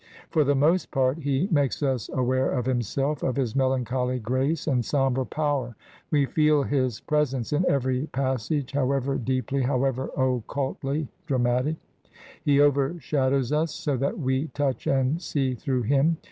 For the most part, he makes us aware of himself, of his melancholy grace and sombre power; we feel his presence in every pas sage, however deeply, however occultly, dramatic; he overshadows us, so that we touch and see through him.